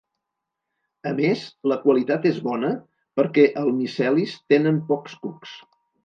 A més, la qualitat és bona perquè el micelis tenen pocs cucs.